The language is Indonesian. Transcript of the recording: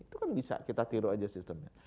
itu kan bisa kita tiru aja sistemnya